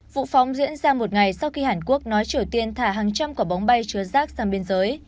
vụ phóng diễn ra một ngày sau khi hàn quốc nói triều tiên thả hàng trăm quả bóng bay chứa rác sang biên giới